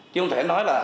chứ không thể nói là